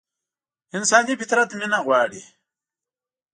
انساني فطرت مينه غواړي.